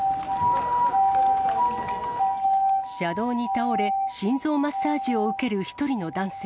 車道に倒れ、心臓マッサージを受ける１人の男性。